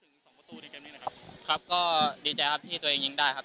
ถึงสองประตูในเกมนี้นะครับครับก็ดีใจครับที่ตัวเองยิงได้ครับ